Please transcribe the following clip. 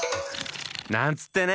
なんつってね！